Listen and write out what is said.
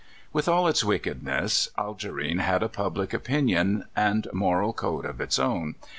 With all its wickedness, Algerine had a public opinion and moral code of its own.